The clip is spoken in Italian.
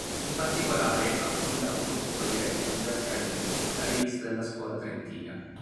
In particolare, ha fondato e poi diretto Didascalie, la rivista della scuola trentina.